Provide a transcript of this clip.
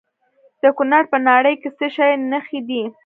د کونړ په ناړۍ کې د څه شي نښې دي؟